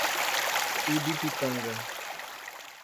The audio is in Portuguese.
Ibipitanga